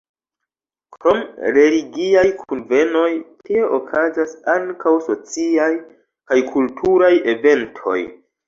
Krom religiaj kunvenoj, tie okazas ankaŭ sociaj kaj kulturaj eventoj.